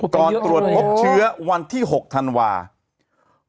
ตรวจพบเชื้อวันที่๖ธันวาคม